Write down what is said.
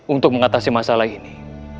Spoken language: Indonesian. untuk mengatasi masalah ini